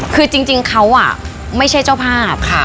คือจริงเขาไม่ใช่เจ้าภาพ